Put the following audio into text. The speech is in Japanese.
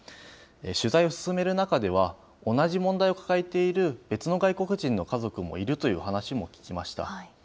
取材を進める中では、同じ問題を抱えている別の外国人の家族もいるという話も聞きました。